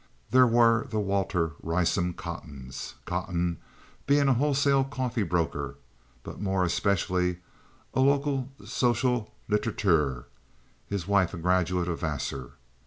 There were the Walter Rysam Cottons, Cotton being a wholesale coffee broker, but more especially a local social litterateur; his wife a graduate of Vassar.